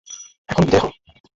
এখন বিদেয় হ।